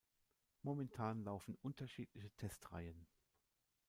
Momentan laufen unterschiedliche Testreihen.